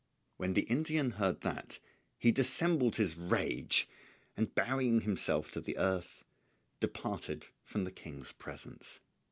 When the Indian heard that, he dissembled his rage, and bowing himself to the earth departed from the King's presence.